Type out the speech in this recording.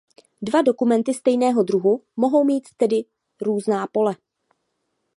Dva dokumenty stejného druhu mohou mít tedy různá pole.